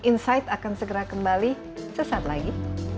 insight akan segera kembali sesaat lagi